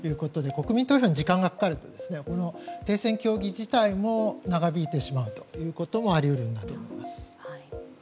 国民投票に時間がかかると停戦協議自体も長引いてしまうこともあり得ると思います。